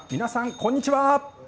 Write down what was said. こんにちは！